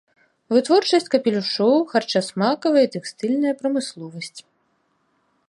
Вытворчасць капелюшоў, харчасмакавая і тэкстыльная прамысловасць.